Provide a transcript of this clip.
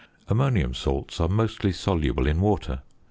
Ammonium salts are mostly soluble in water.